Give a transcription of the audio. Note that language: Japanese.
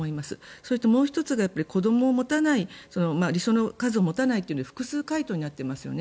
それともう１つが子どもを持たない理想の数を持たないというのが複数回答になっていますよね。